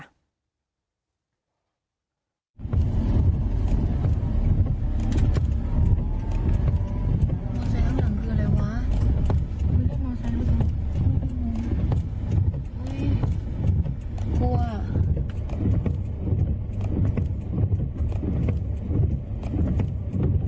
อังหลังคืออะไรวะ